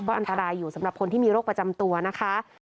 อันตรายอยู่สำหรับคนที่มีโรคประจำตัวนะคะ